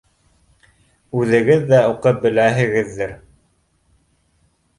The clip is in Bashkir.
Үҙегеҙ ҙә уҡып беләһегеҙҙер